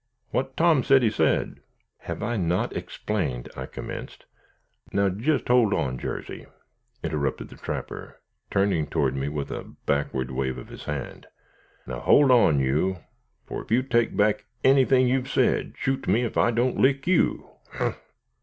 "What Tom said he said." "Have I not explained " I commenced. "Now jist hold on, Jarsey," interrupted the trapper, turning toward me with a backward wave of his hand. "Now, hold on, you, fur ef you take back anything you've said, shoot me, ef I don't lick you.